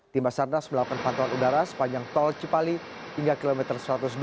tim basarnas melakukan pantauan udara sepanjang tol cipali hingga kilometer satu ratus dua puluh